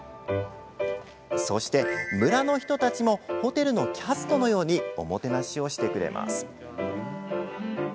そして、村の人たちもホテルのキャストのようにおもてなしをしてくれます。